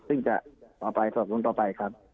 ซึ่งจะสอบส่วนต่อไปครับ